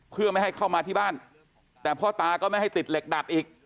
เพื่อไม่ให้เข้ามาที่บ้านแต่พ่อตาก็ไม่ให้ติดเหล็กดัดอีก